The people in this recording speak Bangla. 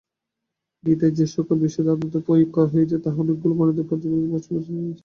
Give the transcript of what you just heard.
গীতায় যে-সকল বিশেষণ অধ্যাত্মসম্বন্ধে প্রয়োগ হইয়াছে, তাহার অনেকগুলিই বনাদি পর্বে বৈষয়িক সম্বন্ধে প্রযুক্ত।